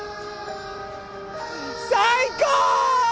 最高！